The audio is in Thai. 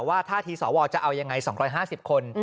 ท่าทีสวจะเอายังไง๒๕๐คน